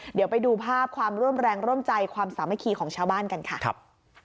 เดี๋ยวไปดูภาพความร่วมแรงร่วมใจความสามัคคีของชาวบ้านกันค่ะครับ